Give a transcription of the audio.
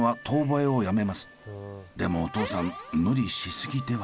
でもお父さん無理しすぎでは？